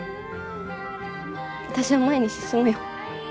私は前に進むよ。